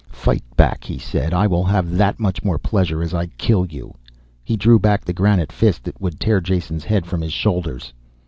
"Fight back," he said, "I will have that much more pleasure as I kill you." He drew back the granite fist that would tear Jason's head from his shoulders.